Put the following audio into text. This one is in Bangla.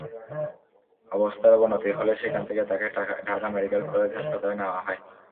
অবস্থার অবনতি হলে সেখান থেকে তাঁকে ঢাকা মেডিকেল কলেজ হাসপাতালে নেওয়া হয়।